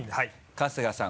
春日さん